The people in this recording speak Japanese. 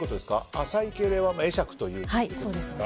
浅い敬礼は会釈ということですか。